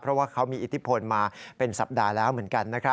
เพราะว่าเขามีอิทธิพลมาเป็นสัปดาห์แล้วเหมือนกันนะครับ